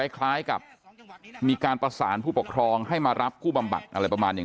คล้ายกับมีการประสานผู้ปกครองให้มารับผู้บำบัดอะไรประมาณอย่าง